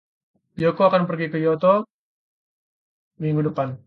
Yoko akan pergi ke Kyoto minggu depan.